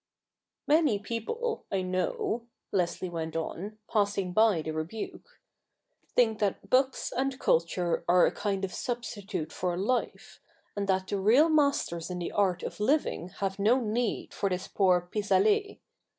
' Many people, I know,' Leslie went on, passing by the rebuke, ' think that books and culture are a kind of substitute for life, and that the real masters in the art of living have no need for this poor pis aller.